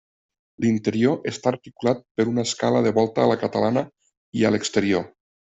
L'interior està articulat per una escala de volta a la catalana i a l'exterior.